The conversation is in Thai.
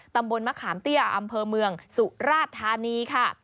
ตำบลมะขามเตี้ยอำเภอเมืองสุราธานีค่ะ